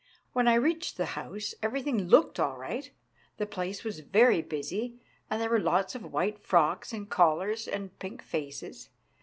When I reached the house everything looked all right. The place was very busy, and there were lots of white frocks and collars, and pink faces.